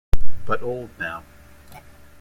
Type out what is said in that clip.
But old now.